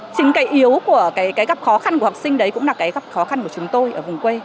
chính cái yếu của cái gấp khó khăn của học sinh đấy cũng là cái gấp khó khăn của chúng tôi ở vùng quê